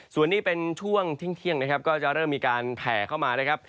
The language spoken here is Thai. ส่วนนี้เป็นช่วงเที่ยงนะครับก็จะเริ่มมีการแผ่เข้ามานะครับ